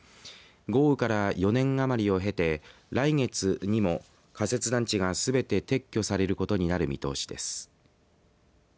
豪雨から４年余りを経て来月にも仮設団地がすべて撤去されることになる見通しです。